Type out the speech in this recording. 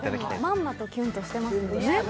まんまとキュンとしてますね。